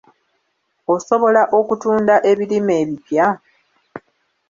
Osobola okutunda ebirime ebipya?